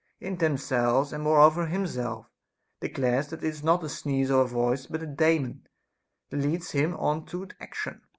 in themselves, and moreover himself declares that it is not a sneeze or voice, but a Daemon, that leads him on to action.